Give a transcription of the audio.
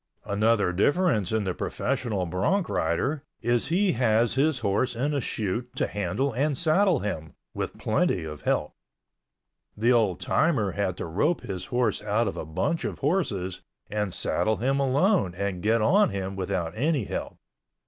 Another difference in the professional bronc rider is he has his horse in a chute to handle and saddle him, with plenty of help. The old timer had to rope his horse out of a bunch of horses and saddle him alone and get on him without any help.